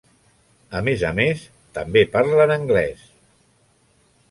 A més a més, també parlen anglès.